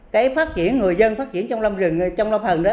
cái phát triển người dân phát triển trong lâm rừng trong lâm hần đó